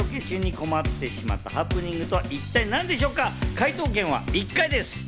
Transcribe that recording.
解答権は１回です。